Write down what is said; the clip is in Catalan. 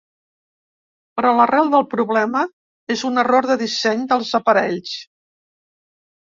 Però l’arrel del problema és un error de disseny dels aparells.